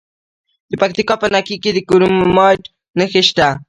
د پکتیکا په نکې کې د کرومایټ نښې شته.